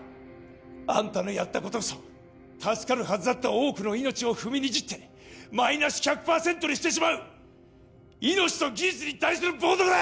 アンタのやったことこそ助かるはずだった多くの命を踏みにじってマイナス１００％にしてしまう命と技術に対する冒とくだ！